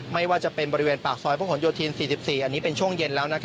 ไม่ว่าจะเป็นบริเวณปากซอยพระหลโยธิน๔๔อันนี้เป็นช่วงเย็นแล้ว